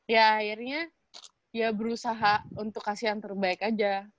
ya akhirnya ya berusaha untuk kasih yang terbaik aja